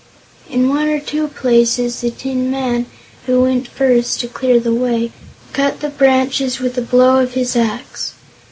In one or two places the Tin Man, who went first to clear the way, cut the branches with a blow of his axe.